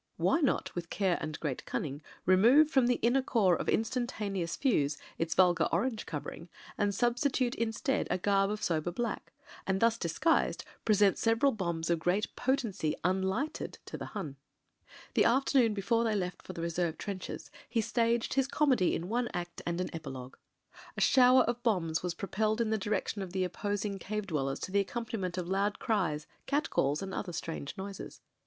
Why not with care and great cunning remove from the inner core of In stantaneous fuze its vulgar orange covering, and sub stitute instead a garb of sober black — ^and thus dis guised present several bombs of great potency tm lighted to the Hun. The afternoon before they left for the reserve 276 MEN, WOMEN AND GUNS trenches he staged his comedy in one act and an epi logue. A shower of bombs was propelled in the direc tion of the opposing cave dwellers to the accompani ment of loud cries, cat calls, and other strange noises.